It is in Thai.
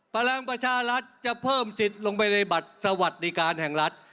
พลังประชารัฐจะเพิ่มสิทธิ์ลงไปในบัตรสวัสดิการแห่งรัฐ